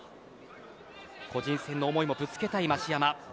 個人戦の思いもぶつけたい増山です。